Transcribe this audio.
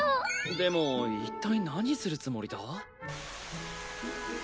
でも一体何するつもりだ？